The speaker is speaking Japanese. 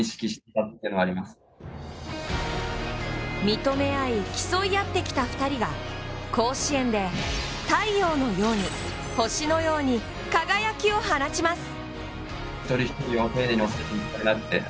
認め合い、競い合ってきた２人が甲子園で太陽のように星のように輝きを放ちます。